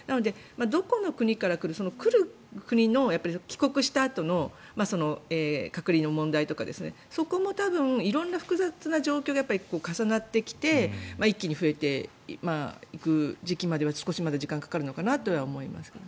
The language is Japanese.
どこの国から来るその来る国の帰国したあとの隔離の問題とかそこも多分色んな複雑な状況が重なってきて一気に増えていく時期までは少し時間がかかるのかなと思いますね。